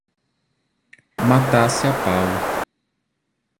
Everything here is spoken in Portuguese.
Matasse a pau